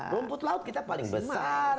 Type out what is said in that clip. rumput laut kita paling benar